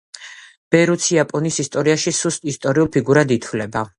ბურეცუ იაპონიის ისტორიაში სუსტ ისტორიულ ფიგურად ითვლება.